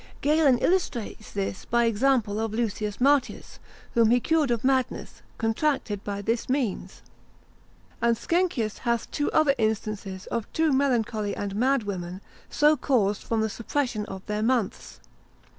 Galen, l. de hum. commen. 3. ad text. 26, illustrates this by an example of Lucius Martius, whom he cured of madness, contracted by this means: And Skenkius hath two other instances of two melancholy and mad women, so caused from the suppression of their months.